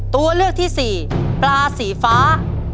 ตัวเลือกที่สี่ปลาสีฟ้า